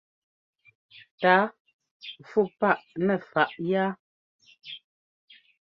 Tǎa fú paʼ nɛ faʼ yá.